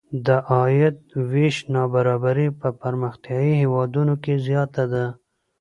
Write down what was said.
د عاید وېش نابرابري په پرمختیايي هېوادونو کې زیاته ده.